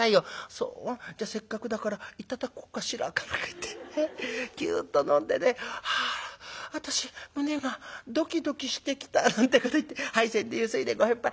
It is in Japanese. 『そう？じゃあせっかくだから頂こうかしら』か何か言ってキュっと飲んでね『はあ私胸がドキドキしてきた』なんてこと言って杯洗でゆすいで『ご返杯』。